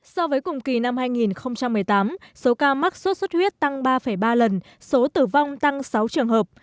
so với cùng kỳ năm hai nghìn một mươi tám số ca mắc sốt xuất huyết tăng ba ba lần số tử vong tăng sáu trường hợp